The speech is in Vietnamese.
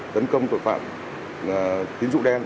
tấn công tội phạm tính dụng đen